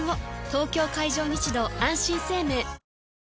東京海上日動あんしん生命